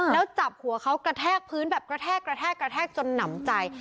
แล้วจับหัวเขากระแทกพื้นแบบกระแทกจนหนำใจ